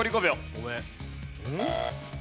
ごめん。